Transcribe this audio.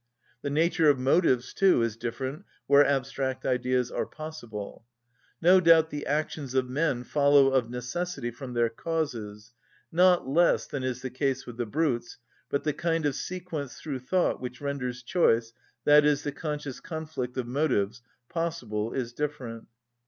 The nature of motives, too, is different where abstract ideas are possible. No doubt the actions of men follow of necessity from their causes, not less than is the case with the brutes, but the kind of sequence through thought which renders choice, i.e., the conscious conflict of motives, possible is different.